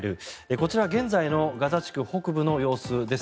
こちらは現在のガザ地区北部の様子です。